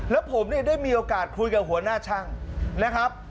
แล้วผมเนี่ยได้มีโอกาสคุยกับหัวหน้าช่างนะครับ